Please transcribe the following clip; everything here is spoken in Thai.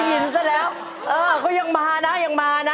โฮลาเลโฮลาเลโฮลาเล